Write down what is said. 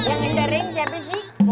yang mengering siapa sih